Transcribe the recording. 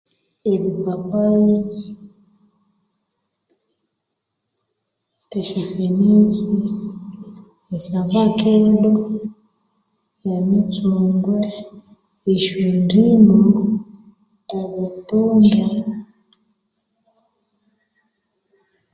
Eripapayi, esya fenesi, esya vacado, nemitsungwe, esyandimu, ebitunda, ebipapayi, esya fenesi, esya vacado, emitsungwe, esyondimu, ebitunda.